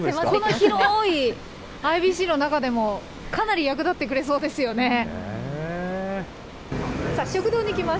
この広いＩＢＣの中でもかなり役立ってくれそうですよね。